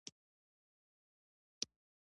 • خندېدل د ژوند حقیقي خوند دی.